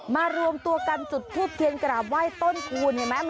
รวมตัวกันจุดทูบเทียนกราบไหว้ต้นคูณเห็นไหม